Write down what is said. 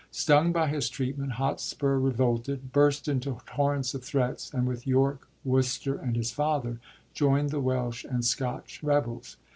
Stung by his treatment, Hotspur revolted, burst into torrents of threats, and, with York, Worcester, and his father, joind '.the ! Welsh and Scotch rebels.